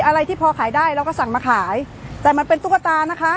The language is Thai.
อะไรที่พอขายได้เราก็สั่งมาขายแต่มันเป็นตุ๊กตานะคะ